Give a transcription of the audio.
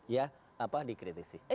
ya apa dikritisi